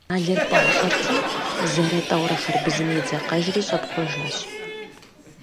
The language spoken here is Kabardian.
Щӏалэр пӏащӏэрти, зэрэ-тӏэурэ хъарбызым едзэкъэжри щӏэпхъуэжащ.